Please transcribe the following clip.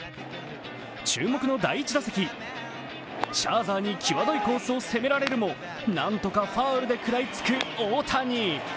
注目の第１打席、シャーザーにきわどいコースを攻められるも何とかファウルで食らいつく大谷。